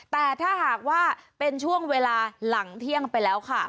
แต่ถ้าหากว่าเป็นช่วงเวลาหลังเที่ยงไปแล้วค่ะ